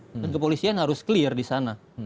dan kepolisian harus clear di sana